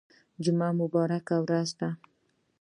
جمعه مبارکه ورځ ده